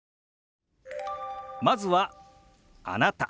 まずは「あなた」。